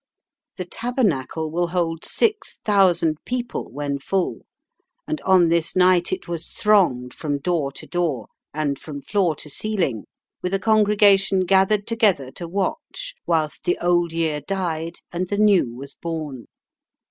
The Tabernacle will hold six thousand people when full, and on this night it was thronged from door to door, and from floor to ceiling, with a congregation gathered together to "watch" whilst the Old Year died and the New was born.